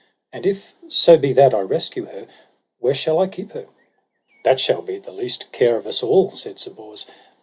And if so be that I rescue her, where shall I keep her? That shall be the least care of us all, said Sir Bors.